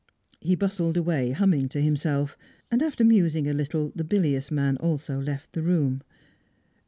He bustled away, humming to himself; and, after musing a little, the bilious man also left the room.